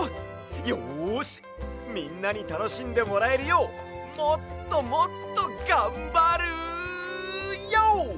よしみんなにたのしんでもらえるようもっともっとがんばるＹＯ！